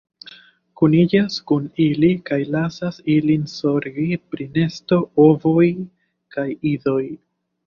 Kuniĝas kun ili kaj lasas ilin zorgi pri nesto, ovoj kaj idoj.